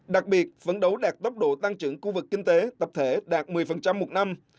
đặc biệt phấn đấu đạt tốc độ tăng trưởng khu vực kinh tế tập thể đạt một mươi một năm